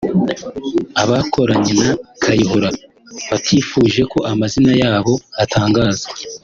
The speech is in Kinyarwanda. abakoranye na Kayihura batifuje ko amazina yabo atangazwa